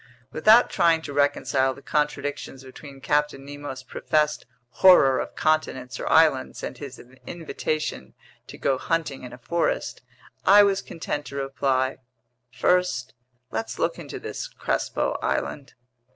Without trying to reconcile the contradictions between Captain Nemo's professed horror of continents or islands and his invitation to go hunting in a forest, I was content to reply: "First let's look into this Crespo Island."